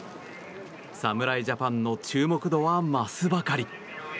侍ジャパンの注目度は増すばかり。